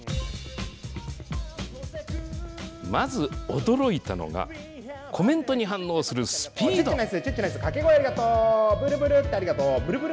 まず驚いたのが、コメントに反応するスピード。